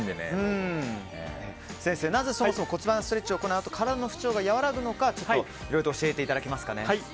先生、なぜそもそも骨盤ストレッチを行うと体の痛みが和らぐのかいろいろと教えていただけますか。